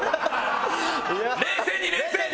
冷静に冷静に！